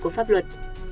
của pháp luật